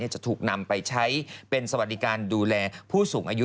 จะถูกนำไปใช้เป็นสวัสดิการดูแลผู้สูงอายุ